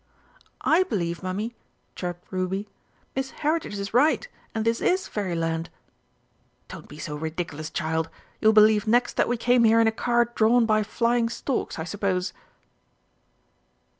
"I believe, Mummy," chirped Ruby, "Miss Heritage is right, and this is Fairyland." "Don't be so ridiculous, child! You'll believe next that we came here in a car drawn by flying storks, I suppose!"